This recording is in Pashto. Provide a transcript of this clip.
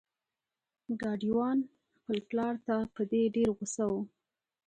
ګاډی وان خپل پلار ته په دې ډیر غوسه و.